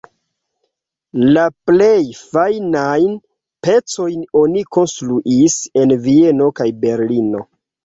La plej fajnajn pecojn oni konstruis en Vieno kaj Berlino.